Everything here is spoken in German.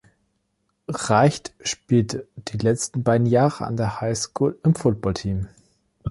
Reicht spielte die letzten beiden Jahre an der High School im Footballteam.